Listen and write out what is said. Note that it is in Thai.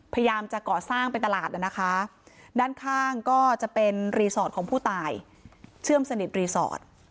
พยายามจะเกาะสร้างเป็นตลาดน่ะนะคะด้านข้างก็จะเป็นของผู้ตายเชื่อมสนิท